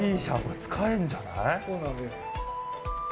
そうなんです。